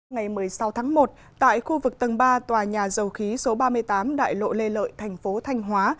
ngày một mươi sáu tháng một tại khu vực tầng ba tòa nhà dầu khí số ba mươi tám đại lộ lê lợi thành phố thanh hóa